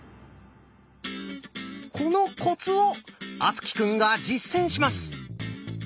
このコツを敦貴くんが実践します。